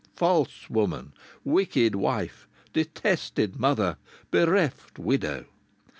"False woman! Wicked wife! Detested mother! Bereft widow!